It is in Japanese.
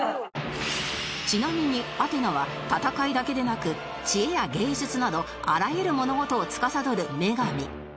ちなみにアテナは戦いだけでなく知恵や芸術などあらゆる物事をつかさどる女神